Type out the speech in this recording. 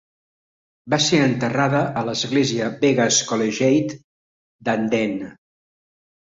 Va ser enterrada a l'església Begga's Collegiate d'Andenne.